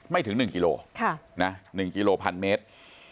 ไม่ถึง๑กิโล๑กิโล๑๐๐เมตร